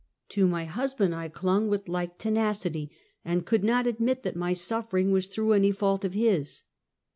To my husband I clung with like tenacity, and could not admit that my suffering was through any fault of his.